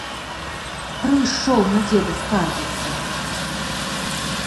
Прыйшоў на дзеда скардзіцца!